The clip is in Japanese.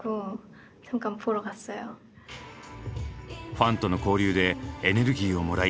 ファンとの交流でエネルギーをもらい